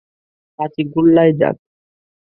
চাচি গোল্লায় যাক!